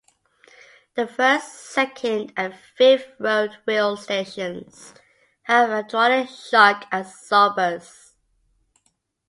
The first, second, and fifth road wheel stations have hydraulic shock absorbers.